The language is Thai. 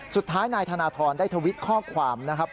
สุดท้ายนายธนทรได้ทวิตข้อความนะครับ